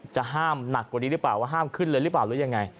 จะห้ามหนักกว่านี้หรือเปล่าว่าห้ามขึ้นเลยหรือเปล่าหรือยังไง